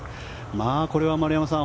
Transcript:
まあこれは、丸山さん